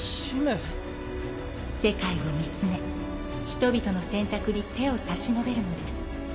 世界を見つめ人々の選択に手を差し伸べるのです。